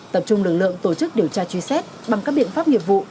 tập trung lực lượng tổ chức điều tra truy xét bằng các biện pháp nghiệp vụ